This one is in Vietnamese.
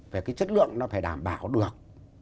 về cái chất lượng nó phải đảm bảo được